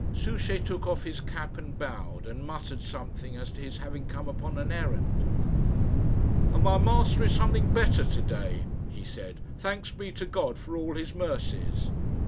Souchey took off his cap and bowed, and muttered something as to his having come upon an errand. "And my master is something better to day," he said, "thanks be to God for all His mercies!"